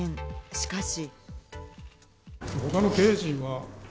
しかし。